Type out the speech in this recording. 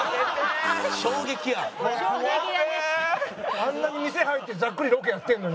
あんなに店入ってざっくりロケやってるのに。